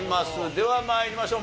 では参りましょう。